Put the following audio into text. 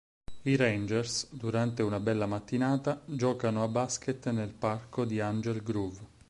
I Rangers, durante una bella mattinata, giocano a basket nel parco di Angel Grove.